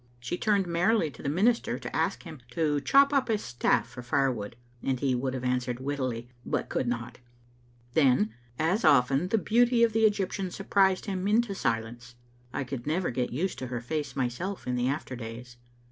She turned merrily to the minister to ask him to chop up his staflE for firewood, and he would have answered wittily but could not. Then, as often, the beauty of the Egyptian surprised him into silence. I could never get used to her face myself in the after days.